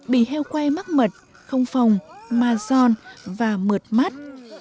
bị heo quay mắc mật không phòng mà giòn và mượt mắt